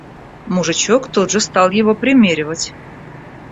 Мужичок тут же стал его примеривать.